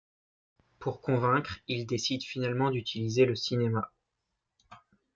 Pour convaincre, il décide finalement d'utiliser le cinéma.